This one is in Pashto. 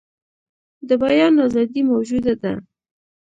د بیان آزادي موجوده ده.